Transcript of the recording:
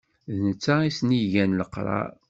D netta i sen-igan leqrar.